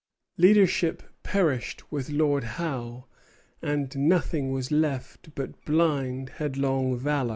Leadership perished with Lord Howe, and nothing was left but blind, headlong valor.